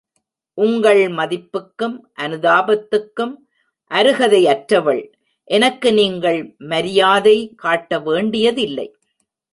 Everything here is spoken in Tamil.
உங்கள் மதிப்புக்கும் அனுதாபத்துக்கும் அருகதையற்றவள், எனக்கு நீங்கள் மைரியாதை காட்ட வேண்டியதில்லை.